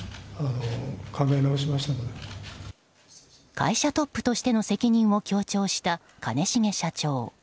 会社トップとしての責任を強調した兼重社長。